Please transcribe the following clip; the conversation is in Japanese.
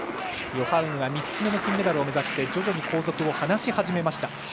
ヨハウグが３つ目の金メダルを目指し徐々に後続を離し始めました。